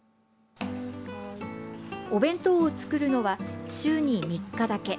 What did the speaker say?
お弁当を作るのは週に３日だけ。